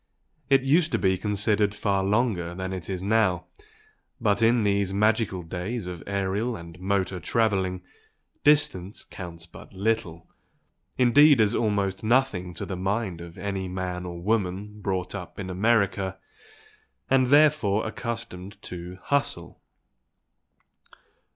It used to be considered far longer than it is now but in these magical days of aerial and motor travelling, distance counts but little, indeed as almost nothing to the mind of any man or woman brought up in America and therefore accustomed to "hustle."